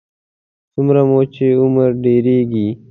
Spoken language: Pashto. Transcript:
څومره مو چې عمر ډېرېږي.